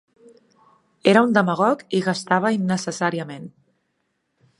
Era un demagog i gastava innecessàriament.